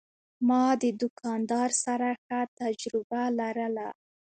ما د دوکاندار سره ښه تجربه لرله.